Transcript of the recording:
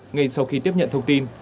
ngay sau khi tiếp nhận thông tin